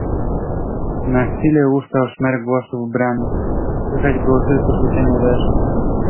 "Na chwilę ustał szmer głosów w bramie i słychać było tylko syczenie deszczu."